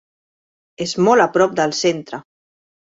És molt a prop del centre.